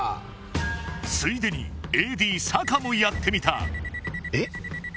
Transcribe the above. ついでにＡＤ坂もやってみたえっ？